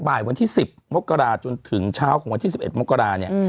บ่ายวันที่สิบโมกราจนถึงเช้ากว่าวันที่สิบเอ็ดโมกราเนี่ย